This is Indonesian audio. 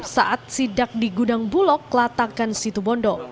saat sidak di gudang bulog latakan situbondo